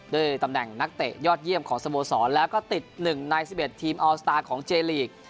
โดยตำแหน่งนักเตะยอดเยี่ยมของสโบสรแล้วก็ติดหนึ่งไนท์สิบเอ็ดทีมอลสตาร์ของเจลีก